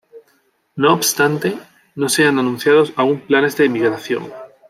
No obstante, no se han anunciado aun planes de migración.